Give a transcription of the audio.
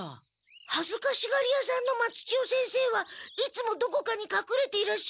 はずかしがり屋さんの松千代先生はいつもどこかにかくれていらっしゃるから。